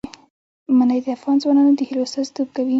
منی د افغان ځوانانو د هیلو استازیتوب کوي.